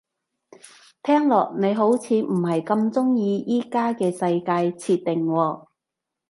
聽落你好似唔係咁鍾意而家嘅世界設定喎